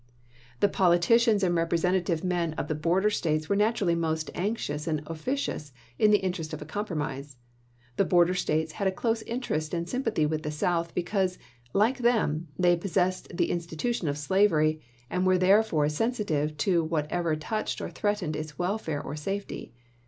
The politicians and representative men of the border States were naturally most anxious and officious in the interest of a compromise. The border States had a close interest and sympathy with the South because, like them, they possessed the institution of slavery, and were therefore sensi tive to whatever touched or threatened its welfare or safety.